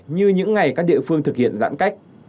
như những ngày các địa phương thực hiện giãn cách